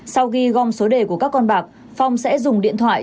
sau khi gom số đề của các con bạc phong sẽ dùng điện thoại